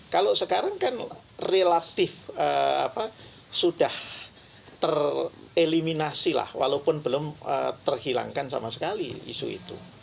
kalau sekarang kan relatif sudah tereliminasi lah walaupun belum terhilangkan sama sekali isu itu